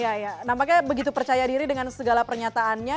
ya ya nampaknya begitu percaya diri dengan segala pernyataannya